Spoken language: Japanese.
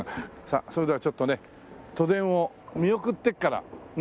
さあそれではちょっとね都電を見送ってからね行きましょう。